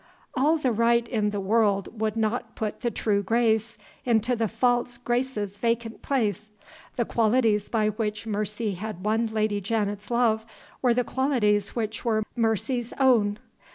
All the right in the world would not put the true Grace into the false Grace's vacant place. The qualities by which Mercy had won Lady Janet's love were the qualities which were Mercy's won.